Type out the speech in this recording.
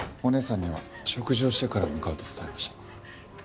お姉さんには食事をしてから向かうと伝えました。